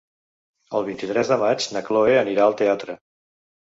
El vint-i-tres de maig na Chloé anirà al teatre.